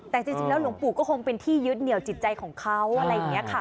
แต่จริงแล้วหลวงปู่ก็คงเป็นที่ยึดเหนียวจิตใจของเขาอะไรอย่างนี้ค่ะ